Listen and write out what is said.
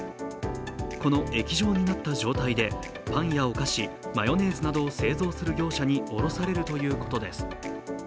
この液状になった状態でパンやおかし、マヨネーズなどを製造する業者に卸されるということです。